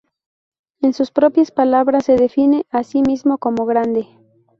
En sus propias palabras se define a sí mismo como grande.